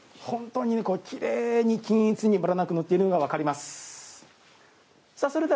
本当にきれいに均一に、むらなく塗っているのが分かります。